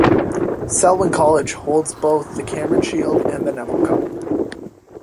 Selwyn college holds both The Cameron Shield and The Nevill Cup.